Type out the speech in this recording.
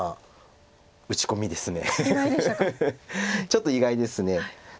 ちょっと意外です。